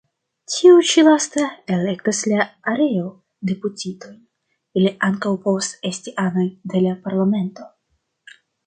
Tiu ĉi lasta elektas la areo-deputitojn; ili ankaŭ povas esti anoj de la Parlamento.